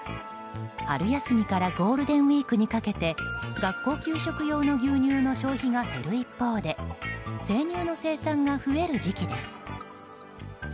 春休みからゴールデンウィークにかけて学校給食用の牛乳の消費が減る一方で生乳の生産が増える時期です。